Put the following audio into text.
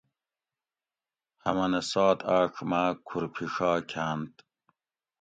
ہمنہ سات آڄ ماۤ کُھر پِھڛا کھاۤنت